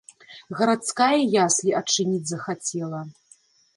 Гарадская яслі адчыніць захацела.